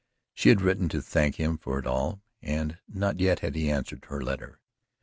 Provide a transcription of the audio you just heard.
She had written to thank him for it all, and not yet had he answered her letter.